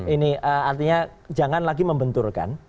ini artinya jangan lagi membenturkan